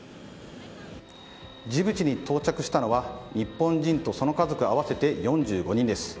ジブチに到着したのは日本人とその家族合わせて４５人です。